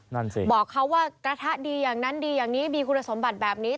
นั่นสิบอกเขาว่ากระทะดีอย่างนั้นดีอย่างนี้มีคุณสมบัติแบบนี้